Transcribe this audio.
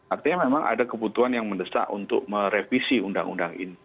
artinya memang ada kebutuhan yang mendesak untuk merevisi undang undang ini